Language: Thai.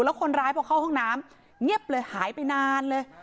แล้วคนร้ายพอเข้าห้องน้ำเงียบเลยหายไปนานเลย